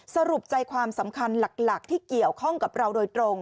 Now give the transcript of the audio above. สรุปใจความสำคัญหลักที่เกี่ยวข้องกับเราโดยตรง